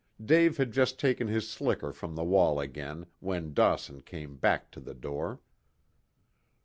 Dave had just taken his slicker from the wall again when Dawson came back to the door.